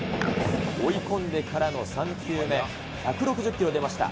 追い込んでからの３球目、１６０キロ出ました。